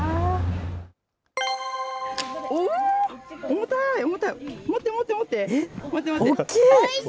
重たい、重たい、持って、持って、大きい。